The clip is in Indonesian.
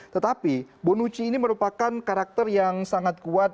tetapi bonucci ini merupakan karakter yang sangat kuat